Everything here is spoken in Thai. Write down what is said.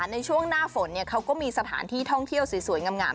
ในช่วงหน้าฝนเขาก็มีสถานที่ท่องเที่ยวสวยงาม